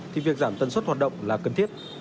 thì việc giảm tần suất hạt động là cần thiết